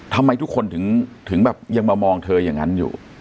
ทำไมทุกคนถึงแบบยังมามองเธออย่างนั้นอยู่